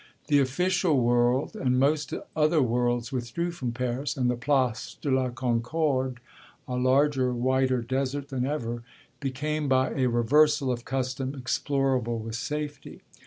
The official world and most other worlds withdrew from Paris, and the Place de la Concorde, a larger, whiter desert than ever, became by a reversal of custom explorable with safety.